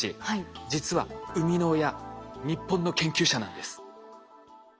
実は生みの親日本の研究者なんです。